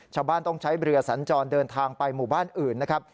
ชาวบ้านต้องใช้เรือสัญจรเดินทางไปหมู่บ้านอื่นนะครับ